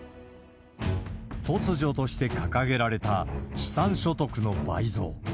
突如として掲げられた資産所得の倍増。